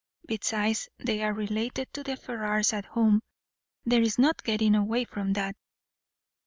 Besides, they are related to the Ferrars at home; there is no getting away from that."